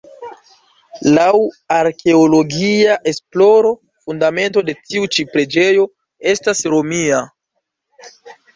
Laŭ arkeologia esploro fundamento de tiu ĉi preĝejo estas Romia.